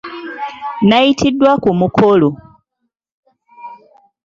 Nnayitiddwa ku mukolo.